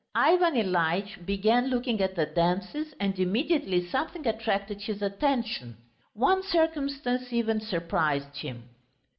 Ivan Ilyitch began looking at the dances, and immediately something attracted his attention. One circumstance even surprised him....